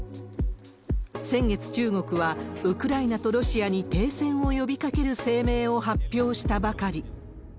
先月、中国はウクライナとロシアに停戦を呼びかける声明を発表したばかり。